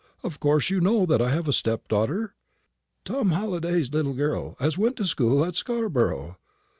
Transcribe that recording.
Of course you know that I have a stepdaughter?" "Tom Halliday's little girl, as went to school at Scarborough."